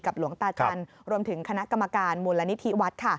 กับหลวงตาจันทร์รวมถึงคณะกรรมการหมุนละนิทิวัฒน์